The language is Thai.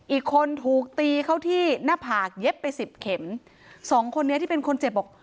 อีกคนถูกตีเข้าที่หน้าผากเย็บไปสิบเข็มสองคนนี้ที่เป็นคนเจ็บบอก